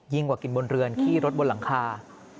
กว่ากินบนเรือนขี้รถบนหลังคา